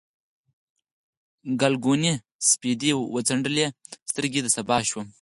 ګلګونې سپېدې وڅنډلې، سترګه د سبا شوم